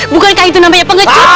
bukankah itu namanya pengecut